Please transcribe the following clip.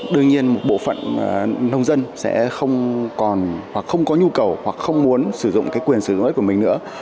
đương nhiên một bộ phận nông dân sẽ không có nhu cầu hoặc không muốn sử dụng quyền sử dụng đất của mình nữa